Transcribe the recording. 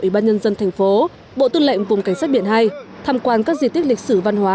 ủy ban nhân dân thành phố bộ tư lệnh vùng cảnh sát biển hai tham quan các di tích lịch sử văn hóa